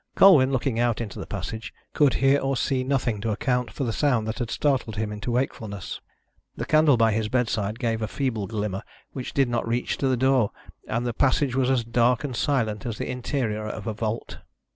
Colwyn, looking out into the passage, could hear or see nothing to account for the sound that had startled him into wakefulness. The candle by his bedside gave a feeble glimmer which did not reach to the door, and the passage was as dark and silent as the interior of a vault.